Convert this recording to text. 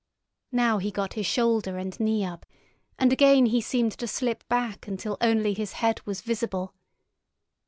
Now he got his shoulder and knee up, and again he seemed to slip back until only his head was visible.